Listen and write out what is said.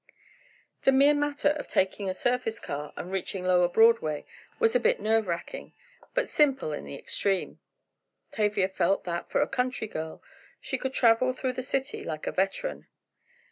The mere matter of taking a surface car and reaching lower Broadway was a bit nerve racking, but simple in the extreme. Tavia felt that, for a country girl, she could travel through the city like a veteran.